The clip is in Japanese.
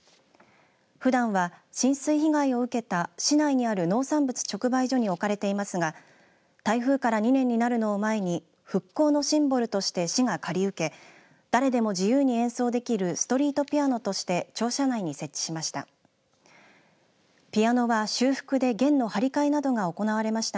ふだんは浸水被害を受けた市内にある農産物直売所に置かれていますが台風から２年になるのを前に復興のシンボルとして市が借り受け誰でも自由に演奏できるストリートピアノとして庁舎内に設置しました。